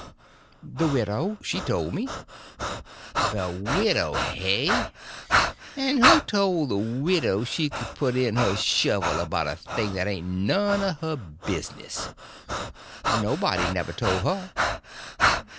"The widow. She told me." "The widow, hey?—and who told the widow she could put in her shovel about a thing that ain't none of her business?" "Nobody never told her."